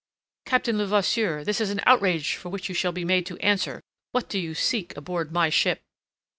"Captain Levasseur, this is an outrage for which you shall be made to answer. What do you seek aboard my ship?"